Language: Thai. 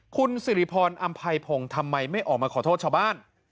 คุณสิริพรอำไพพงศ์ทำไมไม่ออกมาขอโทษชาวบ้าน